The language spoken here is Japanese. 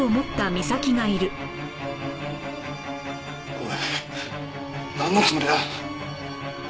おいなんのつもりだ？